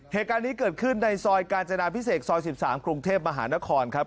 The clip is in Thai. เหตุการณ์นี้เกิดขึ้นในซอยกาญจนาพิเศษซอย๑๓กรุงเทพมหานครครับ